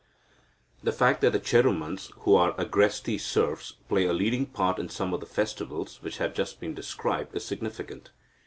The fact that the Cherumans, who are agrestic serfs, play a leading part in some of the festivals which have just been described, is significant.